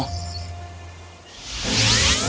aku kuat dan aku punya tongkat